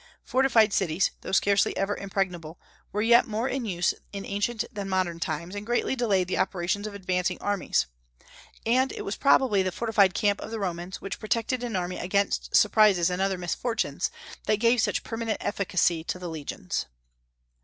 Fortified cities, though scarcely ever impregnable, were yet more in use in ancient than modern times, and greatly delayed the operations of advancing armies; and it was probably the fortified camp of the Romans, which protected an army against surprises and other misfortunes, that gave such permanent efficacy to the legions.